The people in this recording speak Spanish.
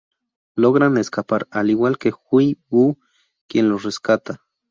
Logran escapar, al igual que Hui Buh, quien los rescata.